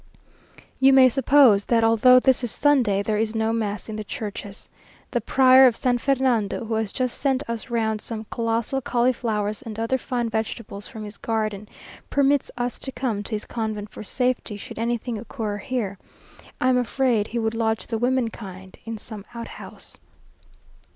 You may suppose, that although this is Sunday, there is no mass in the churches. The Prior of San Fernando, who has just sent us round some colossal cauliflowers and other fine vegetables from his garden, permits us to come to his convent for safety, should anything occur here, ... I am afraid he would lodge the women kind in some outhouse.